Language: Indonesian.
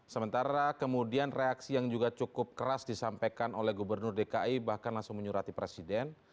sementara kemudian reaksi yang juga cukup keras disampaikan oleh gubernur dki bahkan langsung menyurati presiden